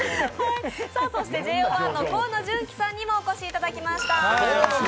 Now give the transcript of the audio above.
ＪＯ１の河野純喜さんにもお越しいただきました。